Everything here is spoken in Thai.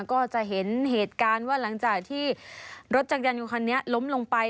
ก็จะเห็นเหตุการณ์ว่าหลังจากที่รถจักรยานยนต์คันนี้ล้มลงไป